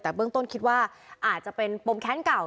แต่เบื้องต้นคิดว่าอาจจะเป็นปมแค้นเก่า